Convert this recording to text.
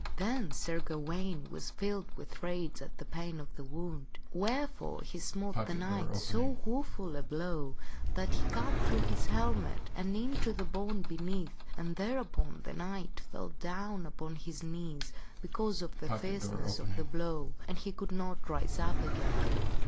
Then Sir Gawaine was filled with rage at the pain of the wound, wherefore he smote the knight so woful a blow that he cut through his helmet and into the bone beneath, and thereupon the knight fell down upon his knees because of the fierceness of the blow, and he could not rise up again.